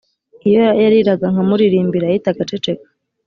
Iyo yariraga nkamuririmbira yahitaga aceceka